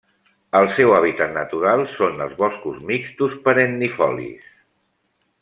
El seu hàbitat natural són els boscos mixtos perennifolis.